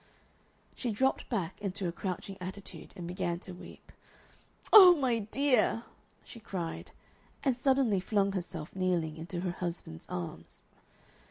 She dropped back into a crouching attitude and began to weep. "Oh, my dear!" she cried, and suddenly flung herself, kneeling, into her husband's arms.